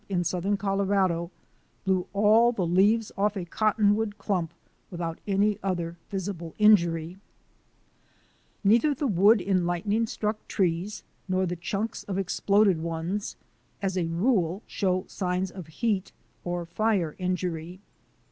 February, igi8 LIGHTNING AND THUNDER 129 southern Colorado blew all the leaves off a Cot tonwood clump without other visible injury. Neither the wood in lightning struck trees nor the chunks of exploded ones as a rule show signs of heat or fire injury.